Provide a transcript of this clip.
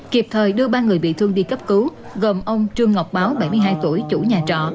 kịp thời đưa ba người bị thương đi cấp cứu gồm ông trương ngọc báo bảy mươi hai tuổi chủ nhà trọ